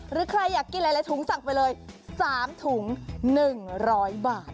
หรือใครอยากกินหลายถุงสั่งไปเลย๓ถุง๑๐๐บาท